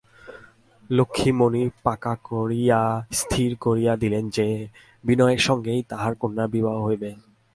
লক্ষ্ণীমণি পাকা করিয়াই স্থির করিয়া দিলেন যে, বিনয়ের সঙ্গেই তাঁহার কন্যার বিবাহ হইবে।